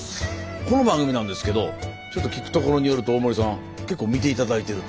この番組なんですけどちょっと聞くところによると大森さん結構見て頂いてると？